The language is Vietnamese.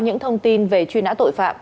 những thông tin về truy nã tội phạm